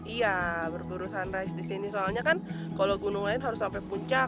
iya berurus sunrise di sini soalnya kan kalau gunung lain harus sampai puncak